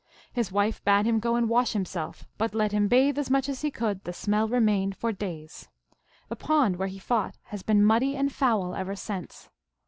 His wife bade him go and wash himself; but let him bathe as much as he could, the smell remained for days. The pond where he fought has been muddy and foul ever since.